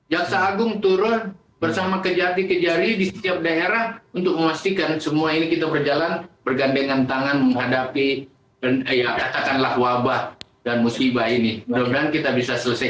jaksa agung turun bersama kejati kejari di setiap daerah untuk memastikan semua ini kita berjalan bergandengan tangan menghadapi ya katakanlah wabah dan musibah ini